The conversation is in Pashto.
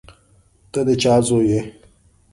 ته د چا زوی یې؟